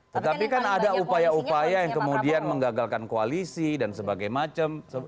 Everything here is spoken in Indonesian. tetapi kan ada upaya upaya yang kemudian menggagalkan koalisi dan sebagainya